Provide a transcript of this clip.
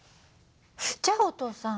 じゃあお父さん。